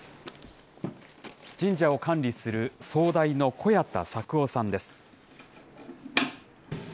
神社を管理する、総代の小谷田作夫さんです。